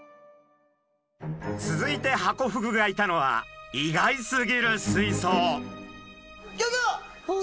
続いてハコフグがいたのは意外すぎる水槽。